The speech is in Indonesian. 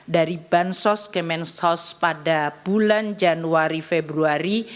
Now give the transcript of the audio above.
dari bansos kemensos pada bulan januari februari